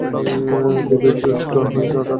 দেবীর তুষ্টি হয় না তাতেও।